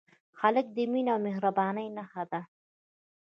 هلک د مینې او مهربانۍ نښه ده.